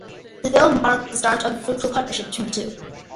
The film marked the start of a fruitful partnership between the two.